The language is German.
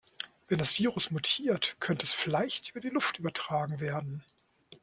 Wenn das Virus mutiert, könnte es vielleicht über die Luft übertragen werden.